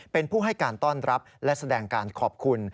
เป็นผู้ให้การต้อนรับและแสดงการขอบคุณ